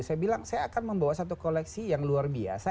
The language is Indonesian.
saya bilang saya akan membawa satu koleksi yang luar biasa